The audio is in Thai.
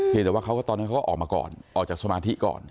แต่ว่าเขาก็ตอนนั้นเขาก็ออกมาก่อนออกจากสมาธิก่อน